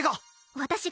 私が！